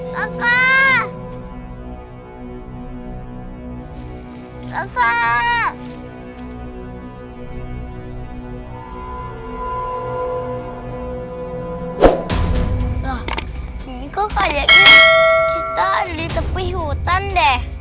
lho ini kayaknya kita ada di tepi hutan deh